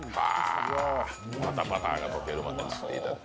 またバターが溶けるまで待っていただいて。